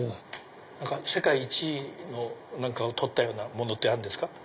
世界１位を取ったようなものってあるんですか？